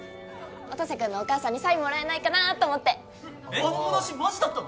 音瀬君のお母さんにサインもらえないかなと思ってあの話マジだったの？